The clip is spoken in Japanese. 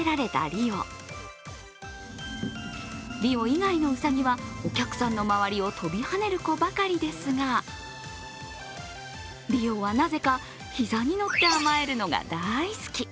リオ以外のうさぎは、お客さんの周りを跳びはねる子ばかりですが、リオはなぜか、膝に乗って甘えるのが大好き。